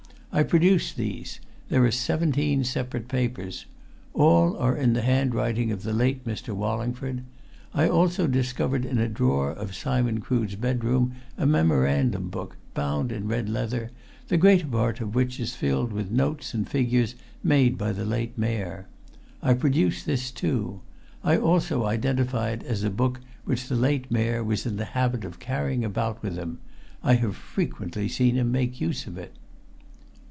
I produce these there are seventeen separate papers. All are in the handwriting of the late Mr. Wallingford. I also discovered in a drawer in Simon Crood's bedroom a memorandum book, bound in red leather, the greater part of which is filled with notes and figures made by the late Mayor. I produce this too. I also identify it as a book which the late Mayor was in the habit of carrying about with him. I have frequently seen him make use of it."